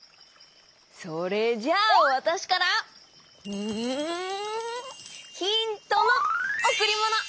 それじゃあわたしからうんヒントのおくりもの！